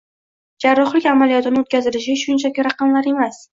Jarrohlik amaliyotini oʻtkazilishi shunchaki raqamlar emas